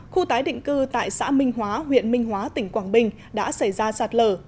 khu tái định cư tại xã minh hóa huyện minh hóa tỉnh quảng bình đã xảy ra sạt lở